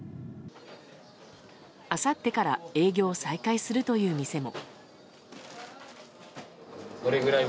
あさってから営業を再開するという店も。